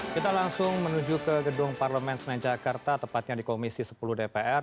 kita langsung menuju ke gedung parlemen senen jakarta tepatnya di komisi sepuluh dpr